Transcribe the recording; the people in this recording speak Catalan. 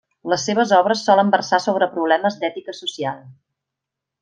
Les seves obres solen versar sobre problemes d'ètica social.